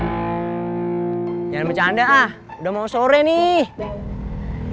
jangan bercanda ah udah mau sore nih